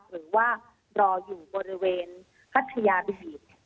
หรือว่ารออยู่บริเวณพัทยาบีบี